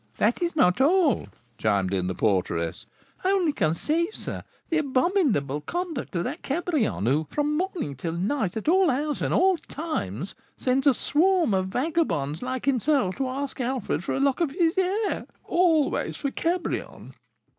"That is not all," chimed in the porteress. "Only conceive, sir, the abominable conduct of that Cabrion, who, from morning to night, at all hours and at all times, sends a swarm of vagabonds like himself to ask Alfred for a lock of his hair, always for Cabrion!"